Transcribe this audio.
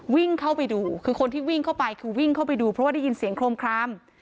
วิ่งเข้าไปดูคือคนที่วิ่งเข้าไปคือวิ่งเข้าไปดูเพราะว่าได้ยินเสียงโครมคลาม